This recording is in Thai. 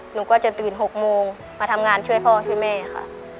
หนูก็จะตื่น๖โมงมาทำงานช่วยพ่อช่วยแม่ค่ะ